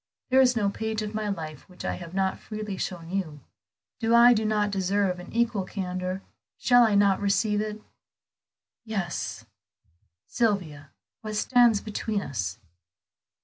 There is no page of my life which I have not freely shown you; do I do not deserve an equal candor? Shall I not receive it?" "Yes." "Sylvia, what stands between us?"